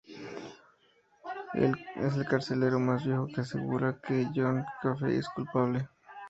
Es el carcelero más viejo que asegura que John Coffey es culpable.